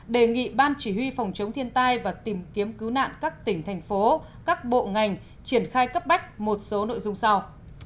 đề nghị ban chỉ huy phòng chống thiên tai và tìm kiếm cứu nạn các tỉnh thành phố các bộ ngành triển khai cấp bách một số nội dung sau